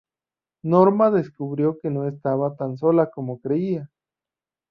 Norma descubrió que no estaba tan sola como creía.